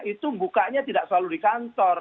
itu bukanya tidak selalu di kantor